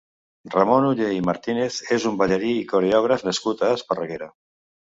Ramon Oller i Martínez és un ballarí i coreògraf nascut a Esparreguera.